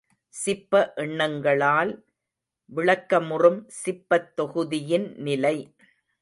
சிப்ப எண்களால் விளக்கமுறும் சிப்பத் தொகுதியின் நிலை.